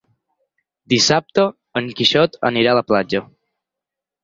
Dissabte en Quixot anirà a la platja.